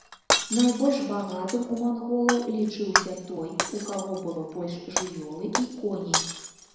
Найбольш багатым у манголаў лічыўся той, у каго было больш жывёлы і коней.